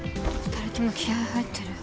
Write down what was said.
２人とも気合入ってる。